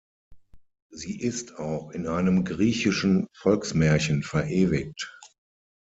Sie ist auch in einem griechischen Volksmärchen verewigt.